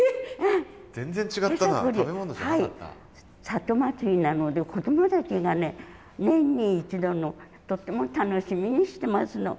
里祭なので子どもたちがね年に一度のとっても楽しみにしてますの。